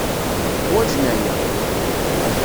Uḥwaǧen aya.